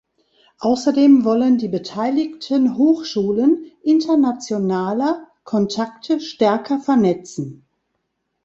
Außerdem wollen die beteiligten Hochschulen internationaler Kontakte stärker vernetzen.